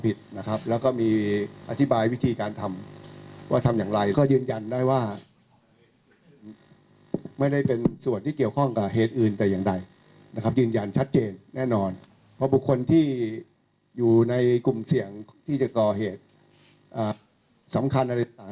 เพราะบุคคลที่อยู่ในกลุ่มเสี่ยงที่จะก่อเหตุสำคัญอะไรต่าง